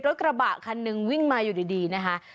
รถกระบะคันหนึ่งวิ่งมาอยู่ดีนะคะ